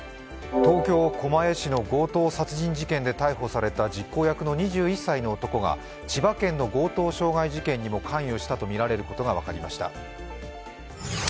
東京・狛江市の強盗殺人事件で逮捕された実行役の２１歳の男が千葉県の強盗傷害事件にも関与したとみられることが分かりました。